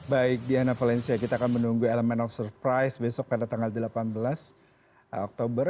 baik diana valencia kita akan menunggu elemen of surprise besok pada tanggal delapan belas oktober